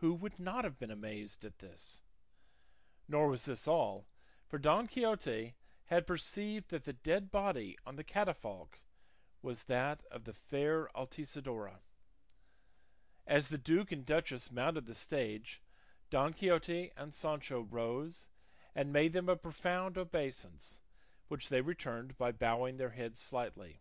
Who would not have been amazed at this? Nor was this all, for Don Quixote had perceived that the dead body on the catafalque was that of the fair Altisidora. As the duke and duchess mounted the stage Don Quixote and Sancho rose and made them a profound obeisance, which they returned by bowing their heads slightly.